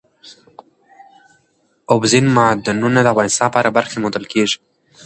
اوبزین معدنونه د افغانستان په هره برخه کې موندل کېږي.